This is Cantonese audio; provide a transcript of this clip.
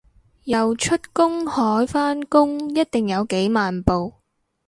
游出公海返工一定有幾萬步